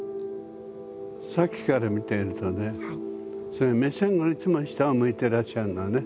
さっきから見てるとねそういう目線がいつも下を向いてらっしゃるのね。